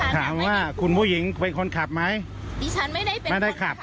ถ้าคุณฟังก่อนได้ไหมคะ